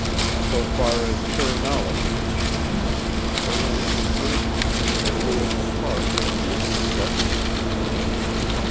So far as sure knowledge of it was concerned, the land was virgin, and Lewis and Clark were to be its discoverers.